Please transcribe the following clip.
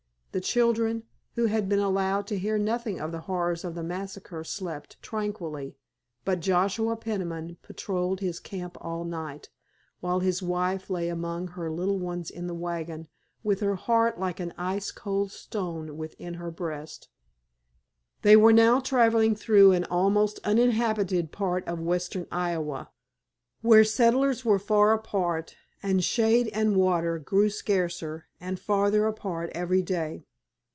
The children, who had been allowed to hear nothing of the horrors of the massacre, slept tranquilly, but Joshua Peniman patrolled his camp all night, while his wife lay among her little ones in the wagon with her heart like an ice cold stone within her breast. They were now traveling through an almost uninhabited part of western Iowa, where settlers were far apart and shade and water grew scarcer and farther apart every day.